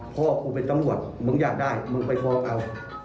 พ่อคุณเป็นต้องรวดมึงอยากได้มึงไปช่วยเขา